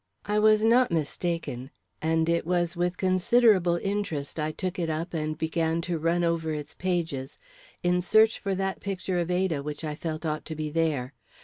I was not mistaken; and it was with considerable interest I took it up and began to run over its pages in search for that picture of Ada which I felt ought to be there.